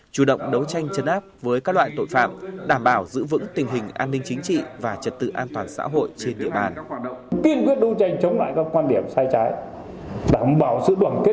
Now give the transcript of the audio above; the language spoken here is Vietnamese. chủ động đấu tranh chấn áp với các loại tội phạm đảm bảo giữ vững tình hình an ninh chính trị và trật tự an toàn xã hội trên địa bàn